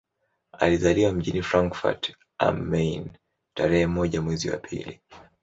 Alizaliwa mjini Frankfurt am Main tarehe moja mwezi wa pili